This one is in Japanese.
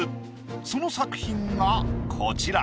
その作品がこちら。